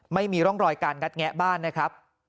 ไม่มีร่องรอยการงัดแงะบ้านนะครับ